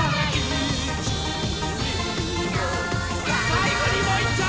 さいごにもういっちょ。